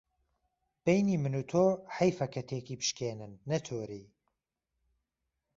بهینی من و تۆ حهیفه که تێکی بشکێنن، نهتۆری